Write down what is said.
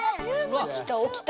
おきたおきた。